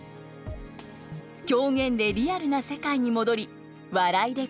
狂言でリアルな世界に戻り笑いで心を解きほぐす。